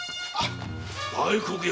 大黒屋。